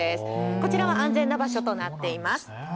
こちらは安全な場所となっています。